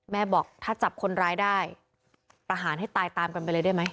บอกถ้าจับคนร้ายได้ประหารให้ตายตามกันไปเลยได้ไหม